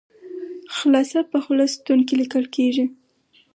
خلاصه په خلص ستون کې لیکل کیږي.